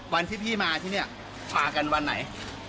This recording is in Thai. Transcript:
วันที่พี่มาที่นี่พากันวันไหน